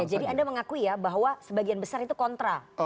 anda mengakui ya bahwa sebagian besar itu kontra